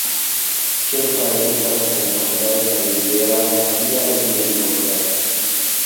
Kelkaj estas senpagaj kaj liberaj, aliaj iom kostas.